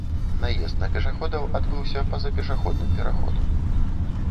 Наезд на пешаходаў адбыўся па-за пешаходным пераходам.